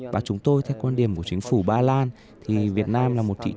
và chúng tôi theo quan điểm của chính phủ ba lan thì việt nam là một thịt da cầm